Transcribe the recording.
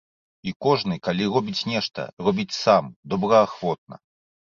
І кожны, калі робіць нешта, робіць сам, добраахвотна.